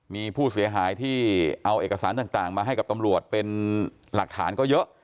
มีผู้เสียหายที่เอาเอกสารต่างมาให้กับตำรวจเป็นหลักฐานก็เยอะ